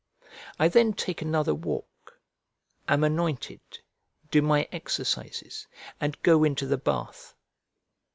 I then take another walk, am anointed, do my exercises, and go into the bath.